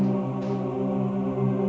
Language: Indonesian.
tentang apa yang terjadi